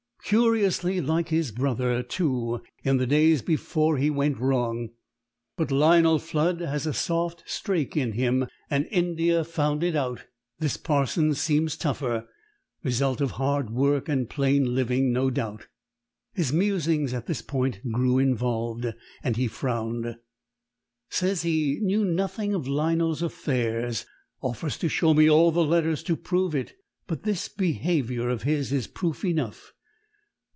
"Curiously like his brother, too in the days before he went wrong. But Lionel Flood had a soft strake in him, and India found it out. This parson seems tougher result of hard work and plain living, no doubt." His musings at this point grew involved, and he frowned. "Says he knew nothing of Lionel's affairs offers to show me all the letters to prove it; but this behaviour of his is proof enough.